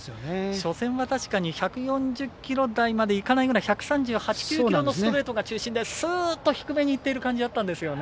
初戦は確かに１４０キロ台までいかないぐらい１３８１３９キロのストレートが中心で、すーっと低めにいっている感じがあったんですよね。